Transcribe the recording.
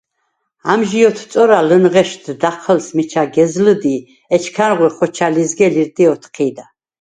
ამჟი ოთწორა ლჷნღეშდ დაჴჷლს მიჩა გეზლჷდ ი ეჩქანღვე ხოჩა ლიზგე-ლირდ’ ოთჴიდა.